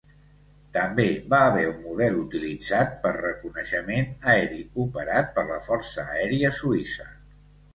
També va haver un model utilitzat per reconeixement aeri operat per la Força Aèria Suïssa.